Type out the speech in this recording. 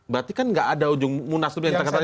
berarti kan gak ada ujung munas itu yang terkatanya tadi